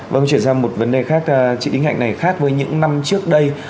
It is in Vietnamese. vâng chuyển sang một vấn đề khác chị đinh hạnh này khác với những năm trước đây